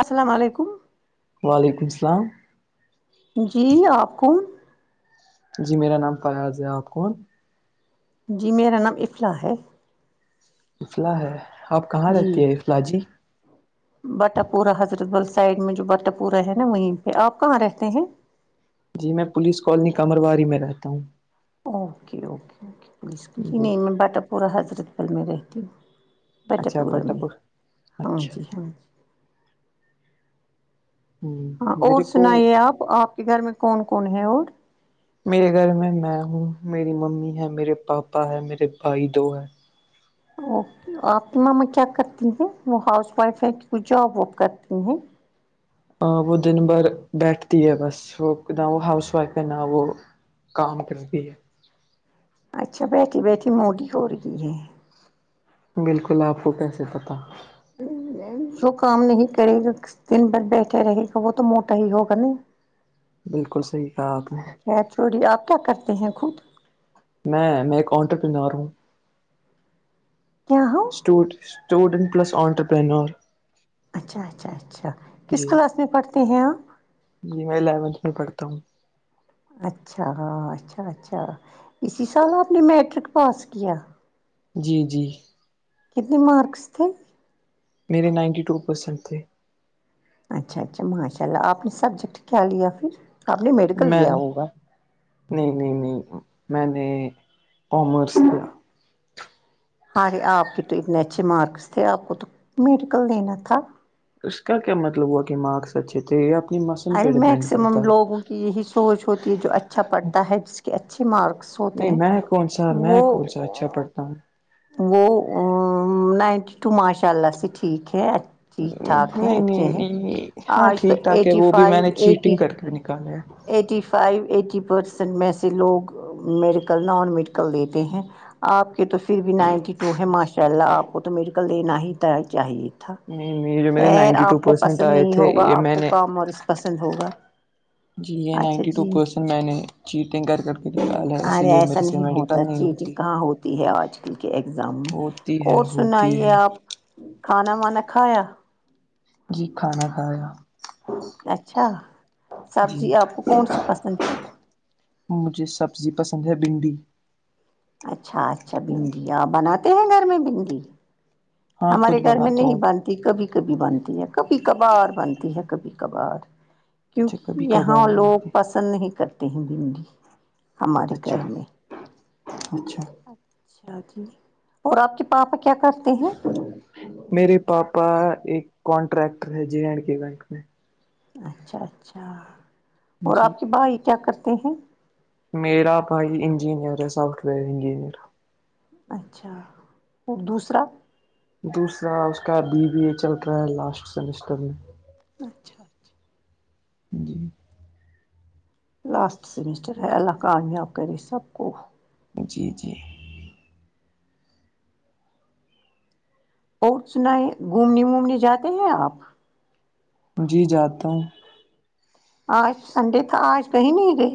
السلام علیکم [inaudible] جی آپ کون جی میرا نام فیاض ہے آپ کون جی میرا نام افلاح ہے اصلاح ہے آپ کہاں رہتی ہیں اصلاح جی بٹہ پورہ حضرت بل سائڈ میں جو بٹا پورہ ہے نا وہیں پہ آپ کہاں رہتے ہیں جی میں پولیس کالونی قمرواری میں رہتا ہوں اوکے اوکے اوکے پولیس کے جی نہیں میں باٹا پورہ حضرت بل میں رہتی ہوں بٹک اچھا پورہ بٹا میں پور ہاں اچھا جی ہاں جی ہ ہاں اور میرے کو سنائیے آپ آپ کے گھر میں کون کون ہے اور میرے گھر میں میں ہوں میری ممی ہے میرے پاپا ہے میرے بھائی دو ہیں اوکے آپ کی ماما کیا کرتی ہیں وہ ہاؤس وائف ہے کہ وہ جاب واب کرتی ہیں وہ دن بھر بیٹھتی ہے بس وہ نہ وہ ہاؤس وائف ہے نہ وہ کام کرتی ہے اچھا بیٹھی بیٹھی موٹی ہو رہی ہے بلکل آپ کو کیسے پتہ وہ کام نہیں کرے گا دن بھر بیٹھے رہے گا وہ تو موٹا ہی ہوگا نہیں بالکل صحیح کہا آپ نے خیر چھوڑیے آپ کیا کرتے ہیں خود میں میں ایک آنٹرپنور ہوں ا [unintelligible] [unintelligible] سٹوڑ اسٹوڈنٹ پلس آٹرپرینور اچھا اچھا اچھا کس جی کلاس میں پڑھتے ہیں آپ جی میں الیونتھ میں پڑھتا ہوں اچھا اچھا اچھا اسی سال آپ نے میٹرک پاس کیا جی جی کتنے مارکس تھے میرے نائنٹی ٹو پرسینٹ تھے اچھا اچھا ماشاء اللہ آپ نے سبجیکٹ کیا لیا پھر آپ نے میڈیکل میں لیا ہوگا نہیں نہیں نہیں میں نے کامرس لیا ہاارے آپ کے تو اتنے اچھے مارکس تھے آپ کو تو میڈیکل لینا تھا اس کا کیا مطلب ہوا کہ مارکس اچھے تھے یہ اپنی مسن پہ ارے ڈیپینڈ کرتا میکسمم ہے لوگوں کی یہی سوچ ہوتی ہے جو اچھا پڑھتا ہے جس کے اچھے مارکس ہوتے نہیں ہیں میں کون سا میں وہ کون سا اچھا پڑھتا ہوں وہ نائنٹی ٹو ماشاء اللہ سے ٹھیک ہے ٹھیک ٹھاک ہیں نہیں اچھے نہیں ہیں نہیں آج تو ایٹی فائیو ایٹی نکالیا ایٹی فائیو ایٹی پرسینٹ میں سے لوگ میڈیکل نان میڈیکل لیتے ہیں آپ کے تو پھر بھی نائنٹی ٹو ہے ماشاء اللہ آپ کو تو میڈیکل لینا ہی چاہیے نہیں نہیں جو میرے خیر نائنٹی ٹو آپ کو پرسینٹ پسند آئے نہیں تھے ہوگا یہ آپ میں کو نے کامرس پسند ہوگا جی یہ اچھا نائنٹی ٹو جی پرسینٹ میں نے چیٹنگ کر کر کے ڈالا اسی لیے میرے سے میڈیکل نہیں ہوتی تی ہے آج کل کے ایگزام میں اور سنائیے آپ ہ [inaudible] کھانا وانا کھایا جی کھانا کھایا اچھا جی سبزی آپ کو کون سی پسند ہے مجھے سبزی پسند ہے بھنڈی اچھا اچھا بھنڈی آپ بناتے ہیں گھر میں بھنڈی ہاں ہمارے خود گھر میں بناتا نہیں ہوں بند کبھی کبھی بنتی ہے کبھی کبھار بنتی ہے کبھی کبھار اچھا کیوںکہ کبھی یہاں کبھار لوگ بناتے۔ پسند نہیں کرتے ہیں بھنڈی ہمارے اچھا گھر میں اچھا اچھا جی اور آپ کے پاپا کیا کرتے ہیں میرے پاپا ایک کانٹریکٹر ہے جے اینڈ کے بینک میں اچھا اچھا اور جی آپ کے بھائی کیا کرتے ہیں میرا بھائی انجنیئر ہے سافٹ ویئر انجنیئر اچھا اور دوسرا دوسرا اس کا بی بی ا چل رہا ہے لاسٹ سیمسٹر میں اچھا اچھا جی لاسٹ سیمسٹر ہے اللہ کامیاب کرے سب کو جی جی اور سنائیے گھومنے وومنے جاتے ہیں آپ جی جاتا ہوں آج سنڈے تھا آج کہیں نہیں گے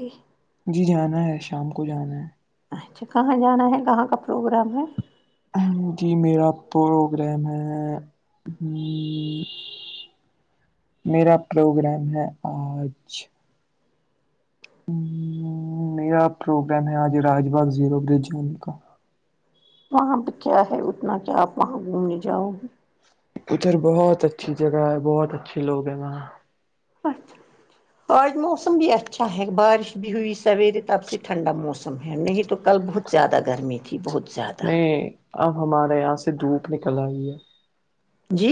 جی جانا ہے شام کو جانا ہے اچھا کہاں جانا ہے کہاں کا پروگرام ہے جی میرا پروگرام ہے میرا پروگرام ہے آج میرا پروگرام ہے آج راج باغ زیرو برج جانے کا وہاں پہ کیا ہے اتنا کیا آپ وہاں گھومنے جاؤ گے ادھر بہت اچھی جگہ ہے بہت اچھے لوگ ہیں وہاں آچھا آج موسم بھی اچھا ہے بارش بھی ہوئی سویرے تب سے ٹھنڈا موسم ہے نہیں تو کل بہت زیادہ گرمی تھی بہت زیادہ نہیں اب ہمارے یہاں سے دھوپ نکل آئی ہے جی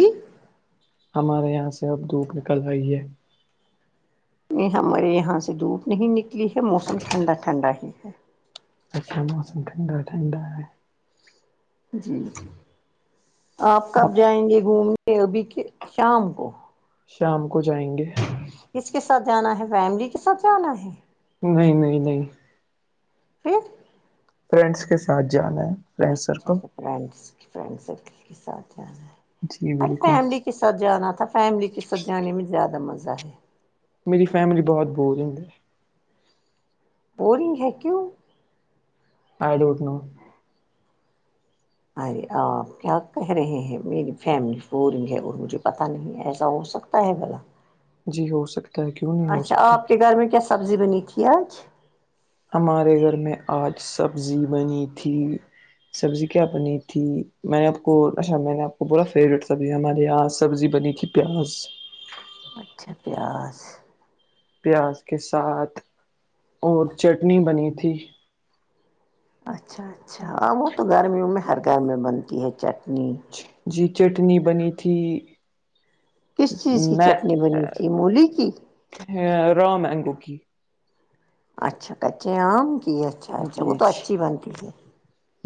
ہمارے یہاں سے اب دھوپ نکل ارہی ہے نہیں ہمارے یہاں سے دھوپ نہیں نکلی ہے موسم ٹھنڈا ٹھنڈا ہی ہے اچھا موسم ٹھنڈا ٹھنڈا ہے جی جی آپ کب جائیں گے گھومنے ابھی ک شام کو شام کو جائیں گے کس کے ساتھ جانا ہے فیملی کے ساتھ جانا ہے نہیں نہیں نہیں پھر فرینڈس کے ساتھ جانا ہے فرینڈ اچھا سرکل اچھا فرینڈ فرینڈ سرکل کے ساتھ جانا ہے جی ارے بالکل فیملی کے ساتھ ساتھ جانا تھا فیملی کے ساتھ جانے میں زیادہ مزہ ہے میری فیملی بہت بورنگ ہے بورنگ ہے کیوں اڈونٹ نو ارے آپ کیا کہہ رہے ہیں میری فیملی پورنگ ہے اور مجھے پتہ نہیں ایسا ہو سکتا نہیں پلا جی ہو سکتا ہے کیوں نہیں ہو اچھا سکتا آپ کے گھر میں کیا سبزی بنی تھی آج ہمارے گھر میں آج سبزی بنی تھی سبزی کیا بنی تھی میں نے آپ کو اچھا میں نے آپ کو بورا فیوریٹ سبزی ہمارے یہاں سبزی بنی تھی پیاز اچھا پیاز پیاز کے ساتھ اور چٹنی بنی تھی اچھا اچھا ہاں وہ تو گرمیوں میں ہر گھر میں بنتی ہے چٹنی جی چٹنی بنی تھی کس چیز کی چٹنی بنی تھی مولی کی ہ رامگوک اچھا کچے آم کی اھا جی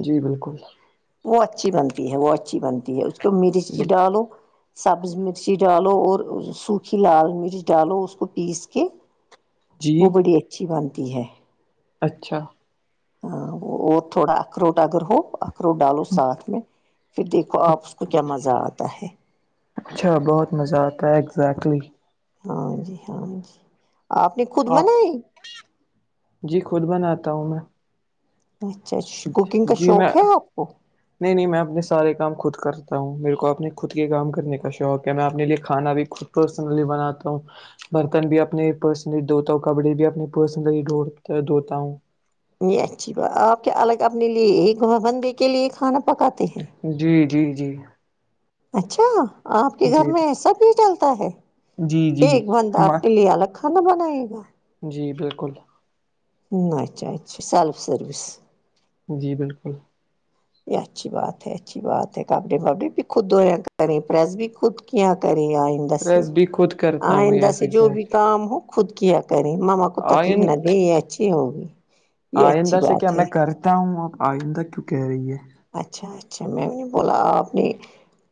جی بالکل وہ اچھی بنتی ہے وہ اچھی بنتی ہے اس کو مرچ بالکل ڈالو سبز مرچی ڈالو اور سوکھی لال مرچ ڈالو اس کو پیس کے وہ جی بڑی اچھی بنتی ہے اچھا اور تھوڑا اخروٹ اگر ہو پرو ڈالو ساتھ میں پھر دیکھو آپ اس کو کیا مزہ آتا ہے اچھا بہت مزہ آتا ہے اگزیکٹلی ہاں جی ہاں جی اپ نے خود آپ منائی جی خود بناتا ہوں میں اچھا اچا کوکنگ کا جی شوق میں ہے آپ کو نہیں نہیں میں اپنے سارے کام خود کرتا ہوں میرے کو اپنے خود کے کام کرنے کا شوق ہے میں اپنے لیے کھانا بھی خود پرسنلی بناتا ہوں برتن بھی اپنی پرسنلی دتا ہوں کبڈی بھی اپنی پرسنلی ڈھڑ دتا ہوں یہ اچھی بات آپ کیا الگ اپنے لیے ایک گ بندے کے لیے کھانا پکاتے ہیں جی جی جی اچھا آپ کے گھر جی میں ای سا بھی چلتا ہے جی جی ایک بند ہم آپ کے لیے الگ کھانا بنائیے گا جی بالکل اچھا اچھا سیلف سروس جی بالکل یہ اچھی بات ہے اچھی بات ہے کپڑے بپڑے بھی خود د یہیا کریں پریس بھی خود کیا یہ کریں آئیںے پریس بھی خود کرتا آئ ہوں د یس سے جو بھی ایگزیکٹ کام ہو خود کیا کریں ماما کو تکلیف آئین نہ دیں یہ اچھی ہوگی یہ اچھی آئندہ سے کیا بات ہے میں کرتا ہوں اب آئندہ کیوں کہہ رہی ہے اچھا اچھا میں بھی نہیں بولا اپنی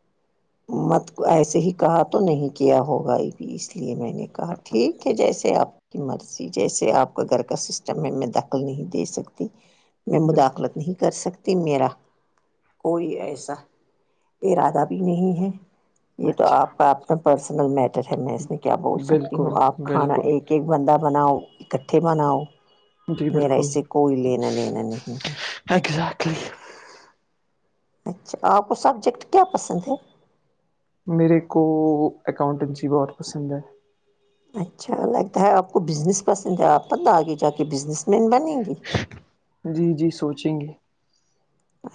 [inaudible] مت ایسے ہی کہا تو نہیں کیا ہوگا ابھی اس لیے میں نے کہا ٹھیک ہے جیسے آپ کی مرضی جیسے آپ کا گھر کا سسٹم ہے میں دخل نہیں دے سکتی میں بالکل مداخلت نہیں کر سکتی میرا کوئی ایسا ارادہ بھی نہیں ہے یہ تو اچھا آپ کاپ ا پرسنل میٹر ہے میں اس میں کیا بول سکتی ہوں بالکل آپ کھانا بالکل ایک ایک ایک بندہ بناؤ ککٹھے بناؤ جی میرا بالکل اس سے کوئی لینا لینا نہیں ہے ا [inaudible] گزٹلی اچھا آپ کو سبجیکٹ کیا پسند ہے میرے کو اکاؤنٹنسی بہت پسند ہے اچھا لگتا ہے آپ کو بزنس پسند ہے آپ مت آگے جا کے بزنس مین بنیں گے جی جی سوچیں گے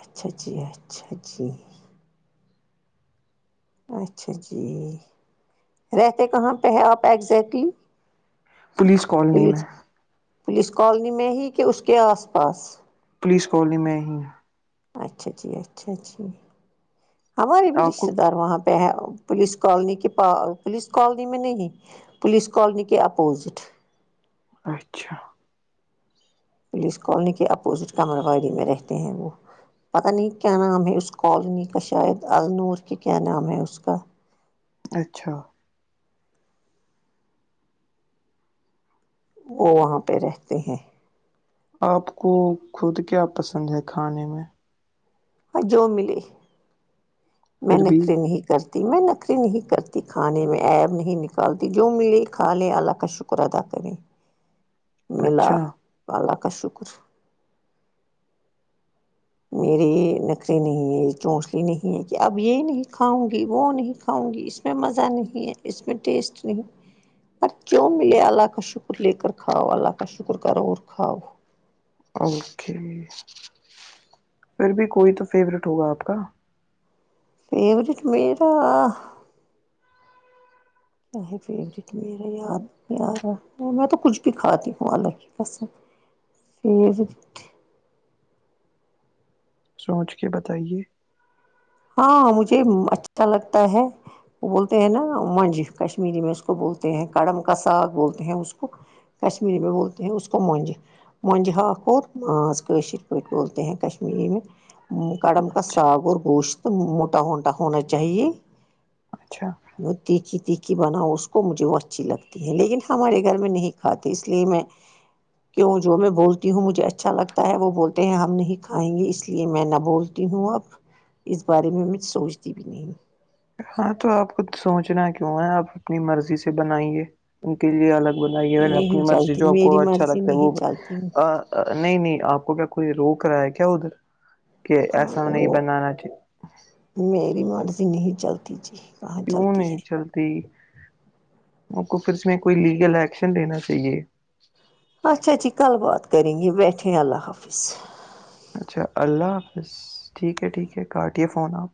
اچھا جی اچھا جی اچھا جی رہتے کہاں پہ ہے آپ ایگزیکٹلی پولیس کالونی میں پولیس پولیس کالونی میں ہی کہ اس کے آس پاس پولیس کالونی میں ہی اچھا جی اچھا جی ہمارے بھی آپ کو رشتے دار وہاں پہ پہ ہے پولیس کالونی کے پا پولیس کالونی میں نہیں پولیس کالونی کے اپوزٹ اچھا پولیس کالونی کے اپوزٹ قمرواری میں رہتے ہیں وہ پتہ نہیں کیا نام ہے اس کالونی کا شاید النور کہ کیا نام ہے اس کا اچھا وہ وہاں پہ رہتے ہیں آپ کو خود کیا پسند ہے کھانے میں ہ جو ملے میں پھر بھی نخرے نہیں کرتی ت میں نخرے نہیں کرتی کھانے میں عیب نہیں نکالتی جو ملے کھا لے اللہ کا شکر ادا کریں چوبیس سو [inaudible] ملا اللہ کا شکر میریے نخرے نہیں ہے چونچلے نہیں ہے کہ اب یہ نہیں کھاؤں گی وہ نہیں کھاؤں گی اس اس میں مزہ نہیں ہے اس میں ٹیسٹ نہیں پر جو ملے اللہ کا شکر لے کر کھاؤ اللہ کا شکر کرو اور کھاؤ اوکے پھر بھی کوئی تو فیورٹ ہوگا آپ کا فیورٹ میرا اس فیورٹ میرا د [inaudible] یار میں تو کچھ بھی کھاتی ہوں الللہ کی قسم سوچ کے بتائیے ہاں مجھے اچھا لگتا ہے وہ بولتے ہیں نا منج کشمیری میں اس کو بولتے ہیں کڑم کا ساگ بولتے ہیں اس کو کشمیری میں بولتے ہیں اس کو منجہ منجہ ہاک اور ماز کیشر پیٹھ بولتے ہیں کشمییری میں کڑم کا اچھا ساگ اور گوشت موٹا ہوٹا ہونا چاہیے اچھا وہ تیکھی تیکھ کی بناؤ اس کو مجھے وہ اچھی لگتی ہے لیکن ہمارے گھر میں نہیں کھاتے اس لیے میں کیوں جو میں بولتی ہوں مجھے اچھا لگتا ہے وہ بولتے ہیں ہم نہیں کھائیں گے اس لیے میں نہ بول تی ہوں اب اس بارے میں میں سوچتی بھی نہیں ہاں تو آپ کو سوچنا کیوں ہے آپ اپنی مرضی سے بنائے ان کے لیے الگ بنائیی اپنی نہیں مرضی چلتی جو آپ کو میری اچھا مرضی لگتا ہے وہ نہیں چلتی نہیں نہیں آپ کو کیا کوئی روک رہا ہے کیا ادھر کہ ہاں ایسا نہیں وہ بنانا چاہیے میری مرضی نہیں چلتی جی کہاں کیوں چلتی ہے نہیں چلتی آپ کو پھر اس میں کوئی لیگل ایکشن لینا چاہیے اچھا جی کل بات کریں گے بیٹھیں اللہ حافظ اچھا اللہ حافظ ٹھیک ہے ٹھیک ہے کاٹیے فون آپ